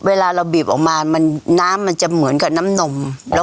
เวลาเราบีบออกมาน้ำมันจะเหมือนกับน้ำนม